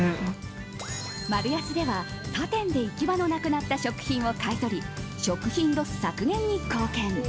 マルヤスでは他店で行き場のなくなった食品を買い取り食品ロス削減に貢献。